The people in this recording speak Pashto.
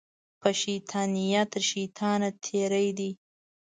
په شیطانیه تر شیطانه تېرې دي